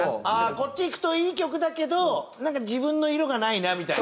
こっちいくといい曲だけど自分の色がないなみたいな。